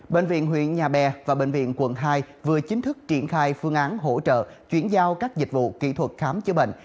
bệnh viện huyện nhà bè và bệnh viện quận hai vừa chính thức triển khai phương án hỗ trợ chuyển giao các dịch vụ kỹ thuật khám chữa bệnh